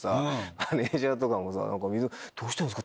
マネジャーとかもさ「どうしたんすか？